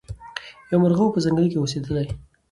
یو مرغه وو په ځنګله کي اوسېدلی